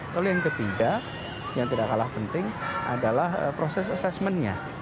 lalu yang ketiga yang tidak kalah penting adalah proses assessmentnya